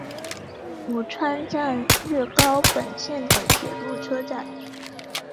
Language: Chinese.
鹉川站日高本线的铁路车站。